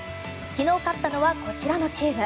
昨日勝ったのはこちらのチーム。